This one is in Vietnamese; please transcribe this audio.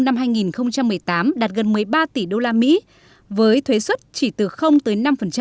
năm hai nghìn một mươi tám đạt gần một mươi ba tỷ usd với thuế xuất chỉ từ tới năm